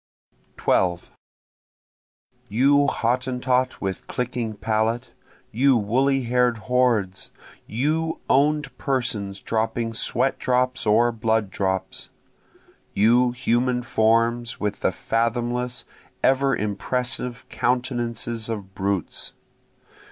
12 You Hottentot with clicking palate! you woolly hair'd hordes! You own'd persons dropping sweat drops or blood drops! You human forms with the fathomless ever impressive countenances of brutes!